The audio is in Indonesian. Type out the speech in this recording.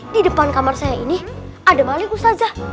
di depan kamar saya ini ada maling ustaz